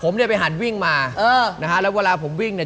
ผมเนี่ยไปหันวิ่งมาเออนะฮะแล้วเวลาผมวิ่งเนี่ย